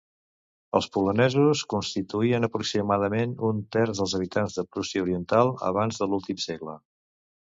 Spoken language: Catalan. Els polonesos constituïen aproximadament un terç dels habitants de Prússia Oriental abans de l'últim segle.